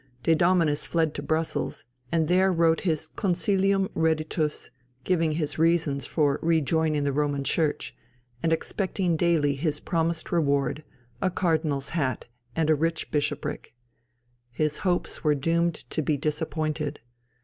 De Dominis fled to Brussels, and there wrote his Consilium Reditûs, giving his reasons for rejoining the Roman Church, and expecting daily his promised reward a cardinal's hat and a rich bishopric. His hopes were doomed to be disappointed.